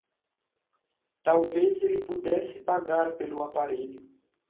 Talvez ele pudesse pagar pelo aparelho.